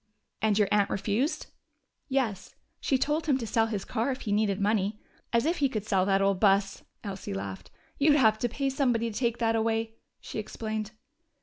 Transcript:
"And your aunt refused?" "Yes. She told him to sell his car if he needed money. As if he could sell that old bus!" Elsie laughed. "You'd have to pay somebody to take that away," she explained.